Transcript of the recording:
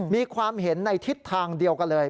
มีความเห็นในทิศทางเดียวกันเลย